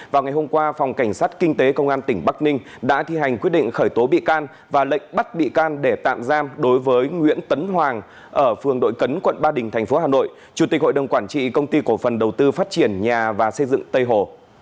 vào ngày hôm qua phòng cảnh sát kinh tế công an tỉnh bắc ninh đã thi hành quyết định khởi tố bị can và lệnh bắt bị can để tạm giam đối với nguyễn tấn hoàng ở phường đội cấn quận ba đình tp hà nội chủ tịch hội đồng quản trị công ty cổ phần đầu tư phát triển nhà và xây dựng tây hồ